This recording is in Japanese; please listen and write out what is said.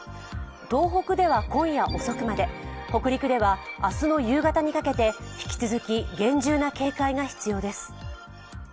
東北では今夜遅くまで北陸では明日の夕方にかけて、引き続き厳重な警戒が必要です。